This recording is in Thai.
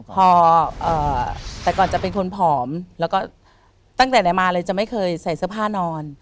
พอแต่ก่อนจะเป็นคนผอมแล้วก็ตั้งแต่ไหนมาเลยจะไม่เคยใส่เสื้อผ้านอน